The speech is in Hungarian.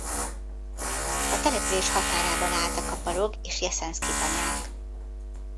A település határában álltak a Balogh és Jeszenszky tanyák.